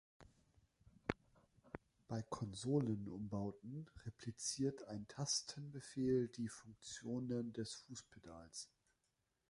Bei Konsolenumbauten repliziert ein Tastenbefehl die Funktionen des Fußpedals.